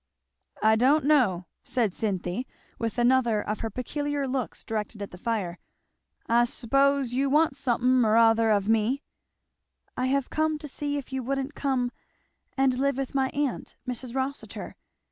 "I don't know," said Cynthy, with another of her peculiar looks directed at the fire. "I s'pose you want someh'n nother of me." "I have come to see if you wouldn't come and live with my aunt, Mrs. Rossitur.